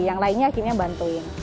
yang lainnya akhirnya bantuin